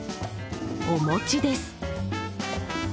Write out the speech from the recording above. お餅です。